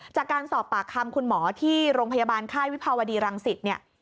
จากการสอบปากคำคุณหมอที่โรงพยาบาลค่ายวิภาวดีรังสิตเนี่ย